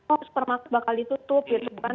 oh supermark bakal ditutup gitu kan